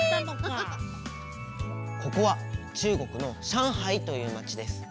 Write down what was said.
ここは中国の上海というまちです。